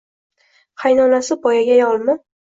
Qaynonasi boyagi ayolmi